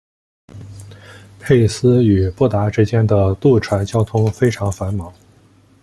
佩斯与布达之间的渡船交通非常繁忙。